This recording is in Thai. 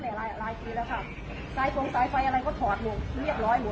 ที่ได้เรียกคือไม่ใช่คนอ่ะ